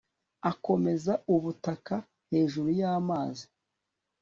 akomeza ubutaka hejuru y'amazi